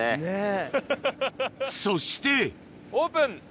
そしてオープン！